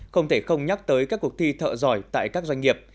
không thể không nhắc tới các cuộc thi thợ giỏi tại các doanh nghiệp